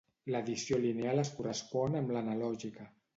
L'edició lineal es correspon amb l'analògica.